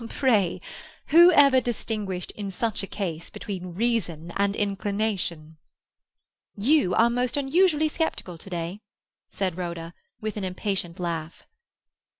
"Pray, who ever distinguished in such a case between reason and inclination?" "You are most unusually sceptical to day," said Rhoda, with an impatient laugh.